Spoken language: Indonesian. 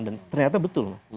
dan ternyata betul